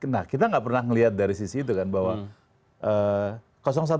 nah kita nggak pernah melihat dari sisi itu kan bahwa